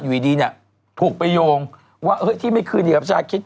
อีีถูกไปโยงว่าเห้ยที่ไม่คืดดีกับชาคริต